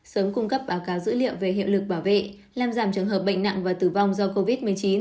sớm cung cấp báo cáo dữ liệu về hiệu lực bảo vệ làm giảm trường hợp bệnh nặng và tử vong do covid một mươi chín